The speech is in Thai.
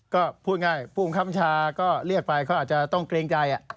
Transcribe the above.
ก็พูดง่ายผู้บังคับชาก็เรียกไปเขาอาจจะต้องเกรงใจ